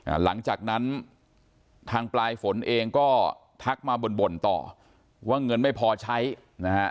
หลังจากนั้นทางปลายฝนเองก็ทักมาบ่นบ่นต่อว่าเงินไม่พอใช้นะฮะ